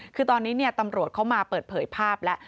คือตอนนี้ตำรวจเขามาเปิดเผยภาพแล้ว